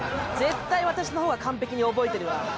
絶対私のほうが完璧に覚えてるわ。